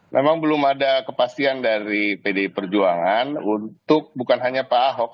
memang belum ada kepastian dari pdi perjuangan untuk bukan hanya pak ahok